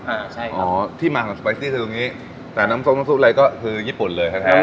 อ่าใช่อ๋อที่มาของสปาเกตตี้คือตรงนี้แต่น้ำทรงน้ำซุปอะไรก็คือญี่ปุ่นเลยแท้แท้